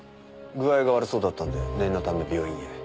具合が悪そうだったんで念のため病院へ。